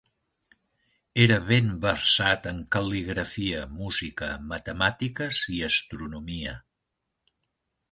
Era ben versat en cal·ligrafia, música, matemàtiques i astronomia.